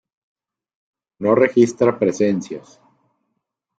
No registra presencias.